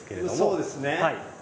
そうですね。